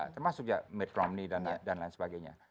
termasuk ya mitt romney dan lain sebagainya